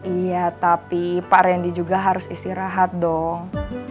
iya tapi pak randy juga harus istirahat dong